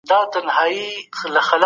د دولت د سياست موخه بايد ملي ګټې نه وي؟